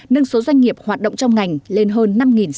nâng số doanh nghiệp hoạt động trong ngành lên hơn năm sáu trăm